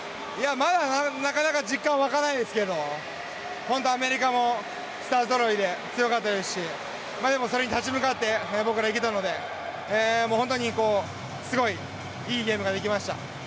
まだ、なかなか実感は湧かないですけど本当、アメリカもスターぞろいで強かったですしでもそれに立ち向かっていけたので本当にすごいいいゲームができました。